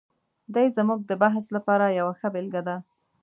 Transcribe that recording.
دی زموږ د بحث لپاره یوه ښه بېلګه ده.